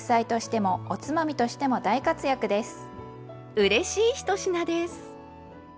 うれしい１品です。